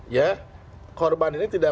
ya korban ini tidak